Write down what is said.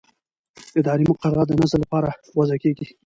اداري مقررات د نظم لپاره وضع کېږي.